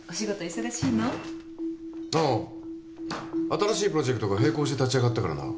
新しいプロジェクトが並行して立ち上がったからな。